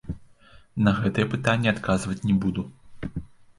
На гэтыя пытанні адказваць не буду.